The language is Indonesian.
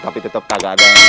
tapi tetep kagak ada